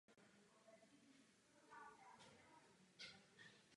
Nejvyšších vodních stavů dosahuje od listopadu do března.